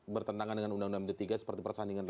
bertentangan dengan uu d tiga seperti persandingan tadi